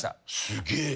すげえ。